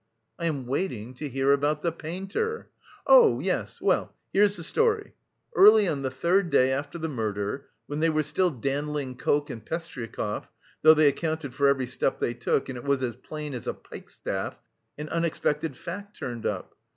"I am waiting to hear about the painter." "Oh, yes! Well, here's the story. Early on the third day after the murder, when they were still dandling Koch and Pestryakov though they accounted for every step they took and it was as plain as a pikestaff an unexpected fact turned up.